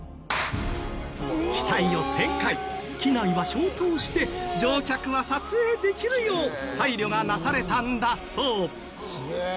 機体を旋回機内は消灯して乗客は撮影できるよう配慮がなされたんだそう。